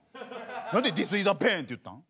何でディスイズアペンって言ったん？